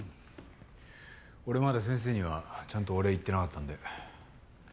俺まだ先生にはちゃんとお礼言ってなかったんで。